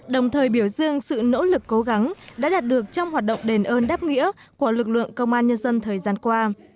đồng thời biểu dương sự nỗ lực cố gắng đã đạt được trong hoạt động đền ơn đáp nghĩa của lực lượng công an nhân dân thời gian qua